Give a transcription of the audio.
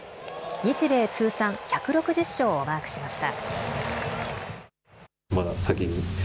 日米通算１６０勝をマークしました。